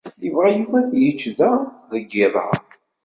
Yebɣa Yuba ad yečč da deg yiḍ-a.